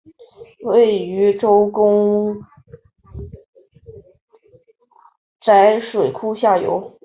位于周公宅水库下游。